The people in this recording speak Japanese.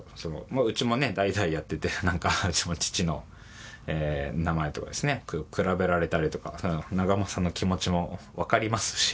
うちもね代々やっていてうちも父の名前とですね比べられたりとか長政の気持ちもわかりますし。